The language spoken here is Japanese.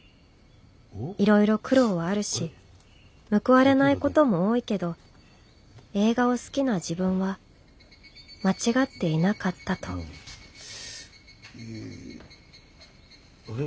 いろいろ苦労はあるし報われないことも多いけど映画を好きな自分は間違っていなかったとあれ？